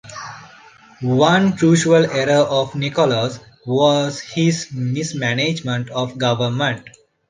One crucial error of Nicholas was his mismanagement of government.